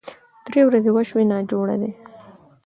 درې ورځې وشوې ناجوړه دی